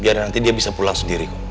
biar nanti dia bisa pulang sendiri kok